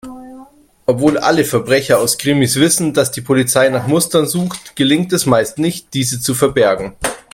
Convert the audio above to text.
Obwohl alle Verbrecher aus Krimis wissen, dass die Polizei nach Mustern sucht, gelingt es meist nicht, diese zu verbergen.